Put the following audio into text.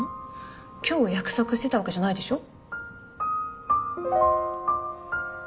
今日約束してたわけじゃないでしょ。